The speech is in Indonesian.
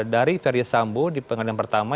dari ferdis sambo di pengadilan pertama